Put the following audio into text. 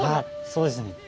そうですね。